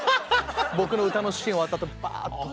僕の歌のシーン終わったあとバーッと。